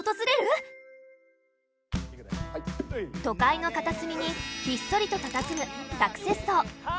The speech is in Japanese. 都会の片隅にひっそりとたたずむサクセス荘。